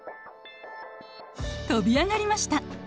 跳び上がりました。